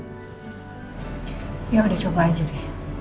daripada gak ada yang nungguin sama sekali